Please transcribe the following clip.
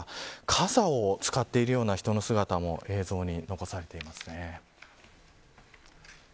傘を使っているような人の姿も映像に残されています。